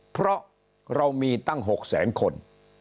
เพราะเรามีตั้ง๖๐๐๐๐๐คน